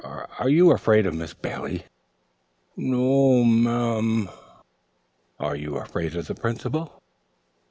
Are you afraid of Miss Bailey?" "N o o oh m a a an." "Are you afraid of the Principal?"